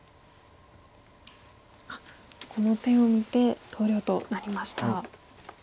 この手を見て投了となりました。